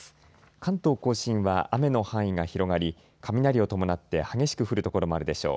関東甲信は雨の範囲が広がり雷を伴って激しく降る所もあるでしょう。